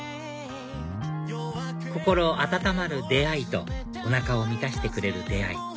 心温まる出会いとおなかを満たしてくれる出会い